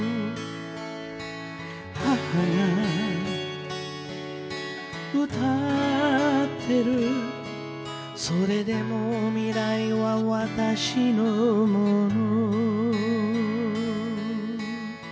「母が歌ってる「それでも未来は私のもの」」